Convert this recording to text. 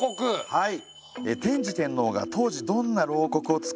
はい。